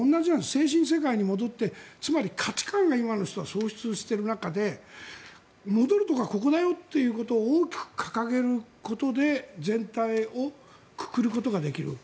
精神世界に戻ってつまり価値観が今の人は喪失している中で戻るところはここだよと大きく掲げることで全体をくくることができる。